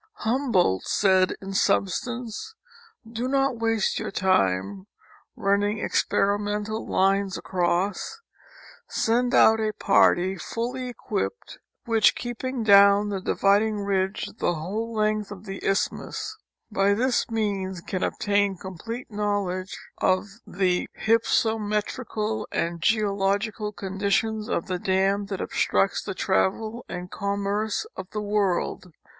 Humboldt said in substance, " Do not waste your time in run ning experimental lines across. Send out a party fully equipped, which keeping down the dividing ridge the whole length of the Isthmus, by this means can obtain a complete knowledge of the A Trip to Panama and Darie7i. 305 hypsometrical and geological conditions of the dam that obstructs the travel and commerce of the world."